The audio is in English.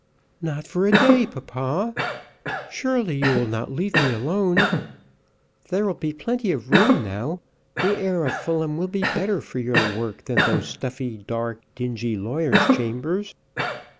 "Not for a day, papa! Surely you will not leave me alone? There will be plenty of room now. The air of Fulham will be better for your work than those stuffy, dark, dingy lawyers' chambers."